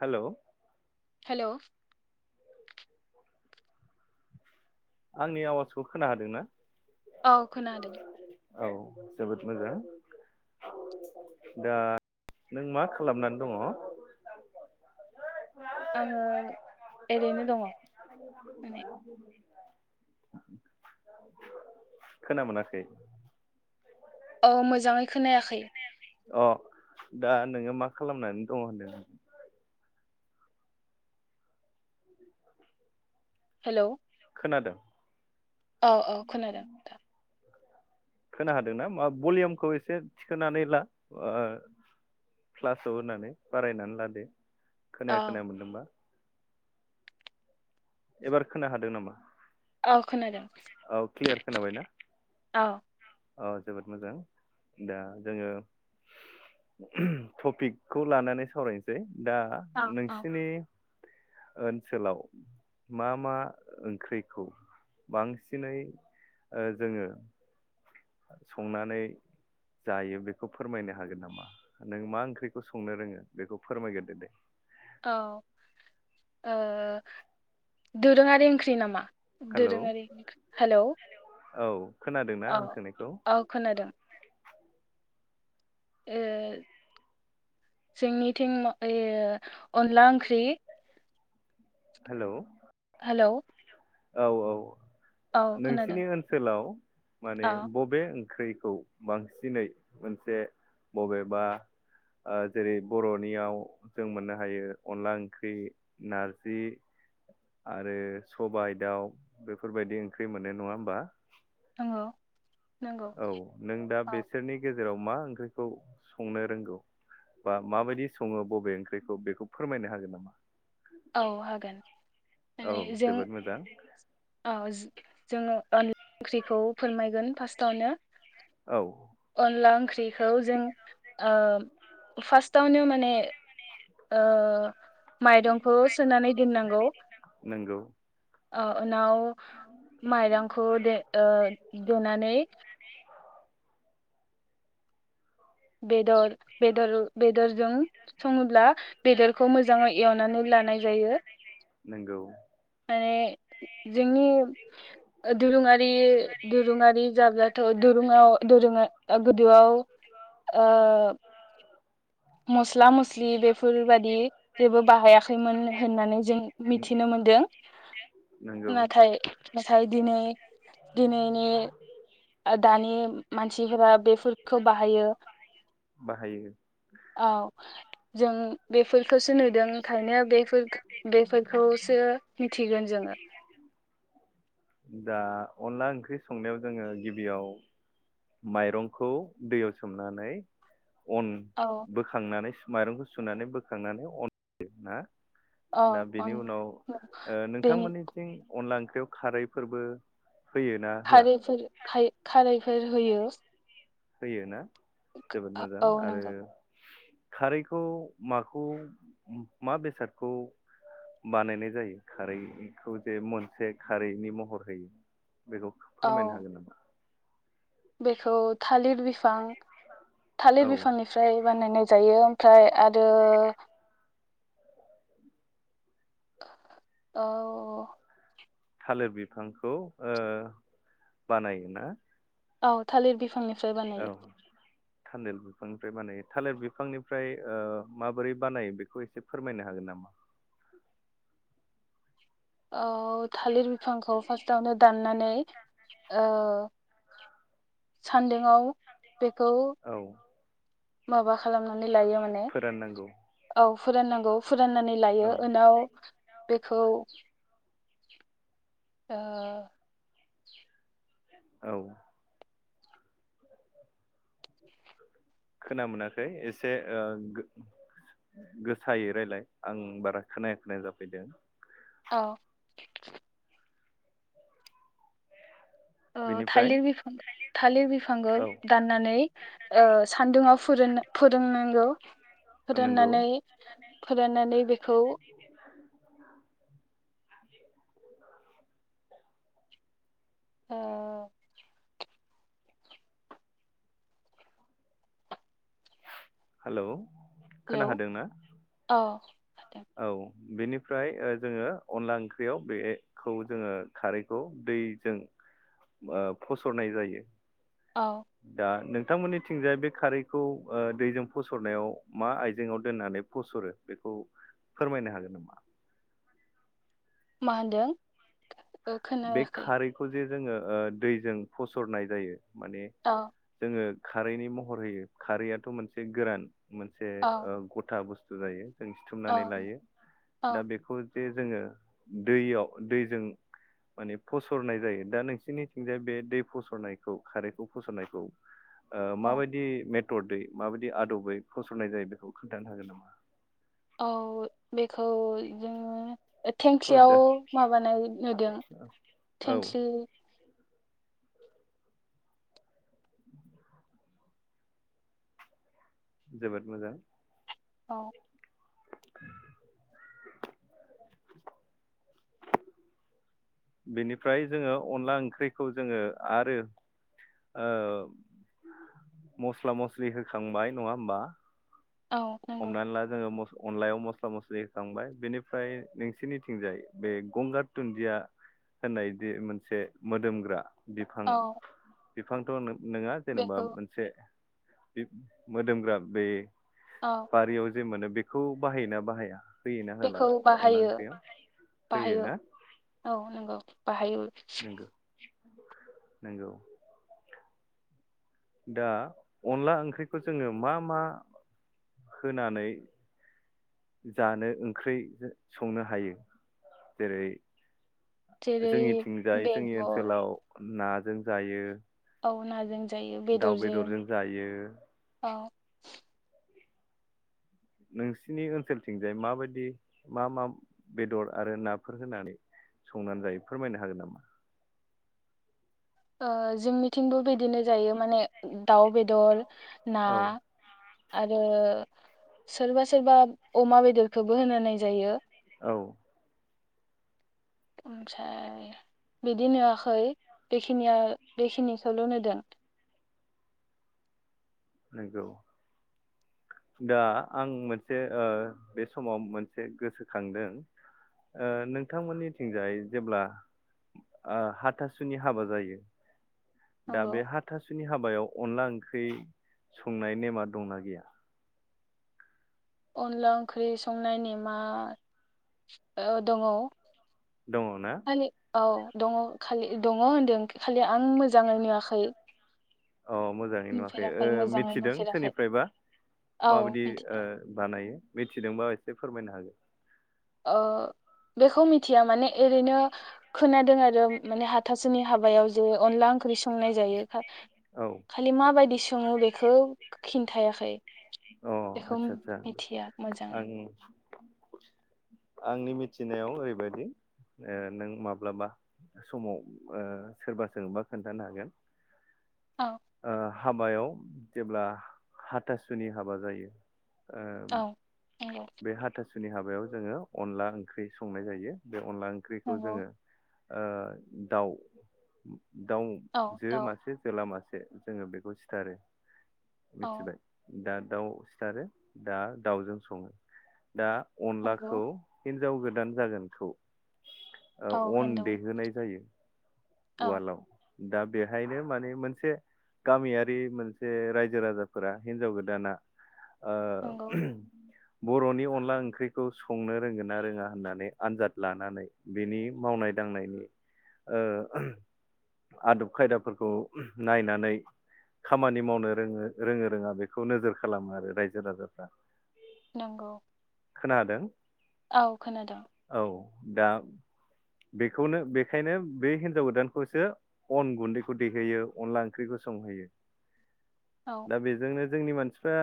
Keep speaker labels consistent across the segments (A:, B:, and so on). A: [inaudible] Hello
B: hello.
A: आंनि आवाजखौ खोना हादोंना?
B: औ खोनादों।
A: औ जोबोद मोजां दा नों मा खालामनानै दङ?
B: आङो ओरैनो दङ माने
A: खोना मोनाखै।
B: औ मोजाङै खोनायाखै।
A: अ दा नोङो मा खालामनानै दङ होनदों?
B: हेलौ।
A: खोनादों
B: औ औ खोनादों दा।
A: खोना हादोंना माभलिमखौ एसे थिखोनानै ला क्लासाव होनानै बायनानै ला दे।
B: औ
A: खोनाया खोनाया मोनदोंबा एबार खोना हादों नामा?
B: औ खोनादों
A: औ क्लियार
B: औ।
A: अ जोबोद मोजां दा जोङो टपिकखौ लानानै सावरायनो सै। दा
B: औ औ
A: नोंसिनि ओनसोलाव मा मा ओंख्रिखौ बांसिनै जोङो। संनानै जायो बेखौ फोरमायनो हागोन नामा नों मा ओंख्रिखौ संनो रोङो बेखौ फोरमायग्रोदो दे।
B: औ ओ दोरोङारि ओंख्रि नामा?
A: हेलौ
B: दोरोङारि ओंख्रि हेलौ
A: औ। खोनादोंना
B: औ
A: आं सोंनायखौ
B: औ खोनादों। ओ जोंनिथिं ओ अनला ओंख्रि
A: हेलौ
B: हेलौ-
A: औ औ।
B: औ खोनादों
A: नोंसिनि ओनसोलाव माने
B: औ
A: बबेओ ख्रैखौ बांसिनै मोनसे बबेबा ओ जेरै बर'नियाव जों मोननो हायो अनला ओंख्रि नारजि आरो सबाय दाउ बेफोरबायदि ओंख्रि मोनो नङा होमबा?
B: औ। नंगौ
A: औ नों दा बेसोरनि गेजेर जेराव मा ओंख्रिखौ संनो रोंगौ बा माबायदि सङो बबे ओंख्रिखौ बेखौ फोरमायनो हागोन नामा?
B: औ हागोन। मान
A: औ
B: जों
A: जोबोद मोजां
B: औ जोङो अनला ओंख्रिखौ फोरमायगोन फार्स्टावनो
A: औ।
B: अनला ओंख्रि खौ जों ओ फार्स्टावनो माने ओ माइरंखौ सोनानै दोननांगौ
A: नंगौ
B: अ। उनाव माइरंखौ दे ओ देनानै बेदर बेदर बेदरजों सङोब्ला बेदरखौ मोजाङै एवनानै लानाय जायो
A: नंगौ
B: माने जोंनि दोरोङारि दोरुङारि जाब्लाथ' दुरुङाव दोरों गोदोआव ओ मस्ला मस्लि बेफोरबादि जेबो बाहायाखैमोन होननानै जों मिथिनो मोनदों
A: नंगौ
B: नाथाय दिनै दिनैनि दानि मानसिफोरा बेफोरखौ बाहायो।
A: बाहायो।
B: औ जों बेफोलखौसो नुदों खायनो बेफो बेफोरखौसो मिथिगोन जोङो।
A: दा अनला ओंख्रि संनायाव जोङो गिबियाव माइरंखौ दैयाव सोमनानै अन
B: औ
A: बोखांनानै स माइरंखौ सुनानै बोख खांनानै अन देना दा
B: औ
A: बेनि उनाव ओ
B: बेनि
A: नोंथांमोननिथिं अनला ओं बेयाव खारै फोरबो
B: खारैफोर खाय खारै फोर होयो।
A: होयो ना? जोबोद मोजां
B: औ
A: आरो
B: नंगौ
A: खारैखौ माखौ मा बेसादखौ बानायनाय जायो खारैखौ जे मोनसे खारैनि महर होयो बेखौ
B: औ
A: फोरमायनो हागोन नामा?
B: बेखौ थालिर बिफां थालिर
A: औ
B: बिफांनिफ्राय बानायनाय जा जायो ओमफ्राय आरो औ
A: थालिर बिफांखौ ओ बानायोना?
B: औ थालिर बिफांनि फ्राय बानायो
A: औ थालिर बिफांनिफ्राय बानायो थालिर बिफांनिफ्राय ओ माबोरै बानायो बेखौ एसे फोरमायनो हागोन नामा?
B: औ थालिर बिफांखौ फार्स्टआवनो दाननानै ओ सान्दुंआव बेखौ
A: औ
B: माबा खालामना लायो माने
A: फोराननांगौ
B: औ फोराननांगौ फुराननानै लायो
A: औ
B: उनाव बे खौ ओ
A: औ खोना मोनाखै एसे ओ गो-गोसायै रायलाय आं बारा खोनाया खोनाया जाफैदों
B: औ ओ
A: बेनिफ्राय
B: थालिर बिफांखौ थालिर बिफांखौ
A: औ
B: दाननानै ओ सान्दुुंआव फोरोनना फोरोंनांगौ
A: नंगौ
B: फोराननानै फोराननानै बेखौ
A: [inaudible]
B: ओ
A: हेलौ
B: हेलौ
A: खोनाखादोंना
B: औ
A: औ बेनिफ्राय जोङो अनला ओंख्रियाव बेखौ जोङो खारैखौ दैजों फसरनाय जायो
B: औ
A: दा नों नोंथांमोननिथिंजाय बे खारैखौ ओ दैजों फसरनायाव मा आइजेंआव दोननानै फसरो बेखौ फोरमायनो हागोन नामा
B: मा होनदों ओ
A: बे
B: खोनायाखै
A: खारैखौ जे जोङो ओ दैजों फसरनाय जायो माने
B: औ
A: जोङो खारैनि महर होयो खारैयाथ' मोनसे गोरान मोनसे
B: औ
A: ओ गथा बुस्थु जायो। जों सिथुमनानै
B: औ
A: लायो
B: औ
A: दा बेखौ। जे जोङो दैयाव दैजों। माने फसरनाय जायो दा नोंसिोरनिथिंजाय बे दै फसरनायखौ खारैखौ फसरनायखौ ओ
B: औ
A: माबायदि मेट हटरदै माबायदि आदबै फसरनाय जायो बेखौ खोन्थानो हागोन नामा [unintelligible]
B: औ बेखौ जोङो थेंख्लियाव
A: दा
B: माबानाय नुदों
A: औ
B: थेंख्लि
A: जोबोद मोजां
B: औ।
A: बेनिफ्राय जोङो अनला ओंख्रिखौ जोङो आरो ओ मस्ला मस्लि होखांबाय नङा होम्बा।
B: औ नंगौ
A: हमनानै ला जोङो म। अनलायाव मस्ला मस्लि होखांबाय बेनिफ्राय नोंसिोरनिथिंजाय बे गंगार दुुनदिया होननायदि मोनसे मोदोमग्रा। बिफां।
B: औ
A: बिफांथ नों। नोंङा जेनेबा
B: बेखौ
A: मोनसे। बे मोदोमग्रा बे।
B: औ
A: बारियाव। जे मोनो बेखौ बाहायोना बाहाया। होयोना होला
B: बेखौ
A: अनला
B: बाहायो
A: ओंख्रियाव
B: बाहायो
A: होयोना
B: औ नंगौ। बाहायो।
A: नंगौ नंगौ। दा अनला ओंख्रिखौ जोङो मा मा होनानै जानो ओंख्रि संनो हायो जेरै
B: जेरै
A: जोंनिथिंजाय जोंनि
B: बेदर
A: ओनसोलाव ना। जों जायो।
B: औ नाजों।
A: दाउ बेदरजों जायो।
B: औ
A: नोंसिनि ओनसोलथिंजाय माबायदि मा मा बेदर आरो नाफोर होनानै संनानै जायो फोरमायनो हागोन नामा।
B: जोंनिथिंबो बिदिनो जायो माने दाउ बेदर ना।
A: औ
B: आरो सोरबा सोरबा अमा बेदरखौबो होनानै जायो।
A: औ।
B: ओमफ्राय बिदि नुवाखै बेखिनिया बेखिनिखौल नुदों।
A: नंगौ दा आं मोनसे आ बे समाव मोनसे गोसोखांदों ओ नोंथांमोननिथिंजाय जेब्ला आ हाथासुनि हाबा जायो। दा
B: नंगौ
A: बे हाथासुनि हाबा। हबायाव अनला ओंख्रि। संनाय नेमा दंना गैया?
B: अनला ओंख्रि संनाय नेमा ओ दङ।
A: दङ ना?
B: खालि औ दङ खालि दङ होन्दों खालि आं मोजाङै नुवाखै।
A: अ मोजाङै नुवाखै
B: नुफेराखै मोजाङै
A: मिथिदों
B: नुफेराखै
A: सोरनिफ्रायबा
B: औ
A: माबायदि ओ
B: मिथिदों
A: बानायो। मिथिदोंबा एसे फोरमायनो हागोन।
B: ओ बेखौ मिथि थिया माने एरैनो खोनादों आरो माने हाथासुनि हाबायाव जे अनला ओंख्रि संनाय जायो
A: औ
B: खालि माबायदि सङो बेखौ खिन थायाखै।
A: अ आदसा आतसा
B: मोजाङै
A: आं आंनि मिथिनायाव ओरैबायदि ओ नों माब्लाबा समाव सोरबा सोंबा खोन्थानो हागोन।
B: औ
A: आ हाबायाव जेब्ला हाथास सुनि हाबा जायो।
B: औ
A: ओ
B: नंगौ
A: बे हाथा सुनि हाबायाव जोङो अनला ओंख्रि संनाय जायो। बे अनला ओंख्रिखौ
B: नंगौ
A: जोङो ओ दाउ दाउ
B: औ
A: जो
B: दाउ
A: मासे जोला मासे जोङो बेखौ सिथारो
B: औ
A: मिथिबाय। दा दाउ सिथारो दा दाउजों सङो दा
B: नंगौ
A: अनलाखौ हिन जाव गोदान जागोनखौ
B: औ
A: ओ अन
B: हेन्दौ
A: देहोनाय जायो
B: औ
A: उवालाव। दा बेहायनो माने मोनसे गामियारि मोनसे रायजो राजाफोरा हिनजाव गोदाना ओ
B: नंगौ
A: बर'नि अनला ओंख्रिखौ संनो रोंगोन ना रोङा होननानै आनजाद लानानै बिनि मावनाय दांनायनि ओ आदब खायदाफोरखौ नायनानै खामानि मावनो रोङो रोङो रोङा बेखौ नोजोर खालामो आरो रायजो राजाफ्रा।
B: नंगौ
A: खोनादों।
B: औ खोनादों।
A: औ दा बेखौनो बेखायनो बे हिनजाव गोदानखौसो अन गुन्दैखौ दैहोयो अनला ओंख्रिखौ संहोयो।
B: औ
A: दा बेजोंनो जोंनि मानसिफ्रा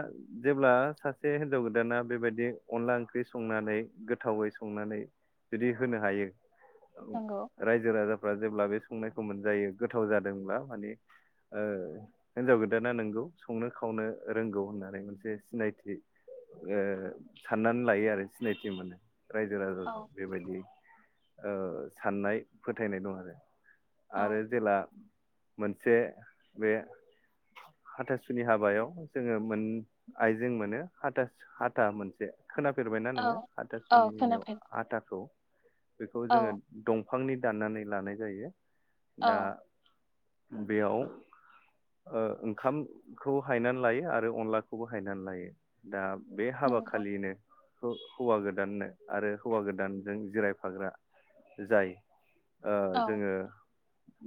A: जेब्ला सासे हिनजाव गोदाना बेबायदि अनला ओंख्रि संनानै गोथावै संनानै जुदि होनो हायो औ।
B: नंगौ
A: रायजो राजा फ्रा जेब्ला बे संनायखौ मोनजायो गोथाव जादोंब्ला माने ओ हिन्जाव गोदाना नोंगौ संनो खावनो रोंगौ होननानै मोनसे सिनायथि ओ साननानै लायो आरो सिनायथि मोनो। रायजो राजों
B: औ
A: बेबायदि ओ साननाय फोथायनाय दं आरो
B: औ
A: आरो जेला मोनसे बे हाथासुनि हाबायाव जोङो मोन आइजें मोनो हाथास हाथा मोनसे खोनाफेरबायना
B: औ
A: नोङो
B: औ
A: आथासुनिनियाव
B: खोनाफै
A: आथाखौ बेखौ
B: औ
A: जोङो दं फांनि दाननानै लानाय जायो
B: औ
A: दा बेयाव ओंखामखौ हायनानै लायो आरो अनलाखौबो हायनानै लायो दा बे हाबा
B: नंगौ
A: खालिनो हौवा गोदाननो आरो हौवा गोदानजों जिरायफाग्रा जाय ओ
B: औ
A: जोङो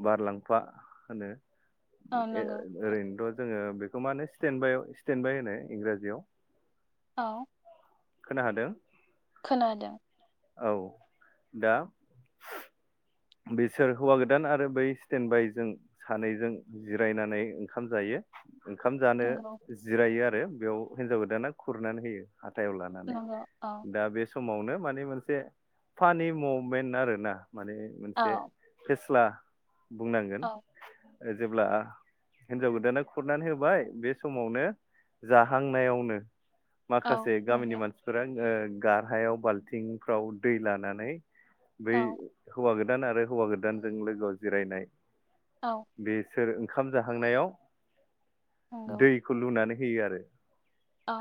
A: बारलांफा होनो
B: औ नंगौ
A: ओरैनोथ' जोङो बेखौ माने स्टेन बाइ स्टेन बाइ होनो इंराजियाव
B: औ
A: खोना दोंना
B: खोनादों
A: औ दा बिसोर हौवा गोदान आरो बै स्टेन बाय जों सानैजों जिरायनानै ओंखाम जायो ओंखाम जानो
B: नंगौ
A: जिरायो आरो आरो बेयाव हिनजाव गोदाना खुरनानै होयो हाथायाव लानानै
B: नंगौ औ
A: दा बे समावनो माने मोनसे फानि मुमेन्ट आरो ना माने
B: औ
A: [unintelligible] फ्ला [unintelligible] बुंनांगोन
B: औ
A: जेब्ला आ हिन्जाव गोदाना खुरनानै होबाय बे समावनो जाहांनायावनो
B: औ
A: माखासे गामिनि
B: नंगौ
A: मानसिफोरा गारहायाव बाल्थिंफ्राव दै लानानै बै
B: औ
A: हौवागोद गोदान आरो हौवा गोदानजों लोगोआव जिरायनाय।
B: औ
A: बेस सोर ओंखाम जाहांनायाव
B: नंगौ
A: दैखौ लुनानै हैयो आरो।
B: औ।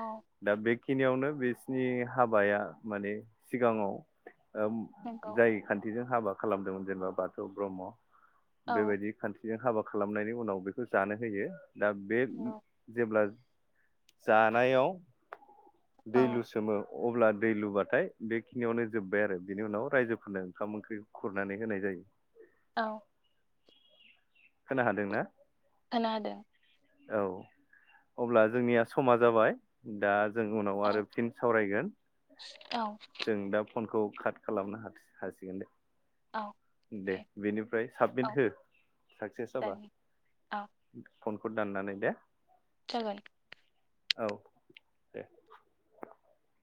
A: खिनियावनो बिसिनि हाबाया माने सिगाङाव ओ
B: नंगौ
A: जाय खान्थिजों हाबा खालामदोंमोन जेनोबा बाथौ ब्रह्म
B: औ
A: बेबायदि खान्थि बेजों हाबा खालामनायनि उनाव बेखौ जानो होयो। दा बे
B: नंगौ
A: जेब्ला जानायाव दै
B: औ
A: लुसोमो। अब्ला दै लुबाथाय बेखिनियावनो जोब्बाय आरो बिनि उनाव रायजोफोरनो ओंखाम ओंख्रि [inaudible]
B: औ
A: खोना हादोंना?
B: खोनादों।
A: औ अब्ला जोंनिया समा जाबाय दा जों उनाव
B: औ
A: आरो फिन सावरायगोन।
B: औ।
A: जों दा फनखौ काट खालामनो हा हासिगोन दे।
B: औ
A: दे बेनिफ्राय साबमिट
B: औ
A: हो साक्सेस जाबा।
B: जागोन औ
A: फनखौ दाननानै दे।
B: जाबाय।
A: औ दे।